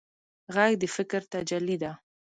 غږ د فکر تجلی ده